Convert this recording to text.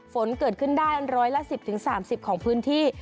ฝนเกิดขึ้นได้๑๑๐๓๐ของพื้นที่